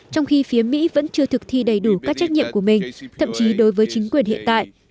trong khi phía mỹ vẫn chưa thực thi đầy đủ các trách nhiệm của mình thậm chí đối với chính quyền hiện tại